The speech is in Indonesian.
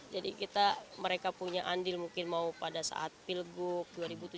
kita mereka punya andil mungkin mau pada saat pilgub dua ribu tujuh belas